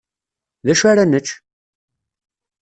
D acu ara nečč?